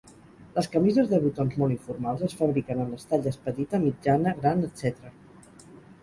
Les camises de botons molt informals es fabriquen en les talles petita, mitjana, gran, etc.